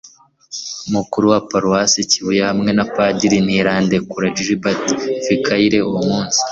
mukuru wa paruwasi kibuye hamwe na padiri ntirandekura gilbert, vicaire. uwo munsi